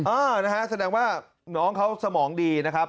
เออนะฮะแสดงว่าน้องเขาสมองดีนะครับ